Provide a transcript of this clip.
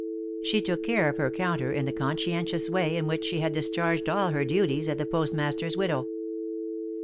She took care of her counter in the conscientious way in which she had discharged all her duties at the Postmaster's widow.